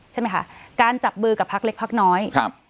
ใช่มั้ยคะการจับบือกับพักเล็กพักน้อย